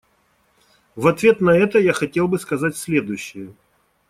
В ответ на это я хотел бы сказать следующее.